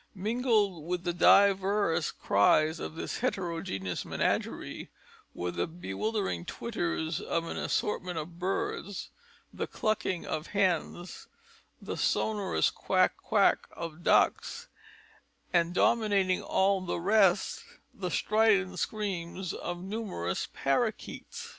Mingled with the divers cries of this heterogeneous menagerie, were the bewildering twitterings of an assortment of birds, the clucking of hens, the sonorous quack quack of ducks, and dominating all the rest, the strident screams of numerous parrakeets.